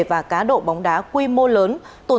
và cá độ bóng đá quy mô lớn